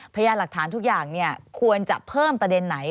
พยายามหลักฐานทุกอย่างควรจะเพิ่มประเด็นไหน